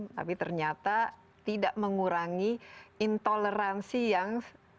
tapi ternyata tidak mengurangi intoleransi yang